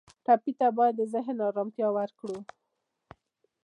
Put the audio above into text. ټپي ته باید د ذهن آرامتیا ورکړو.